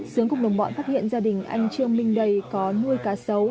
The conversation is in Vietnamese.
sướng cùng đồng bọn phát hiện gia đình anh trương minh đầy có nuôi cá sấu